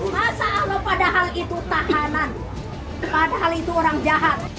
masa allah padahal itu tahanan